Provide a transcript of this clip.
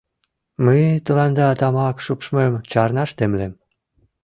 — Мый тыланда тамак шупшмым чарнаш темлем.